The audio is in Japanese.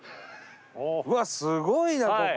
うわすごいなここ。